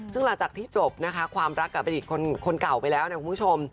ซึ่งหลังจากที่จบนะคะความรักกับอดีตคนเก่าไปแล้วนะคุณผู้ชม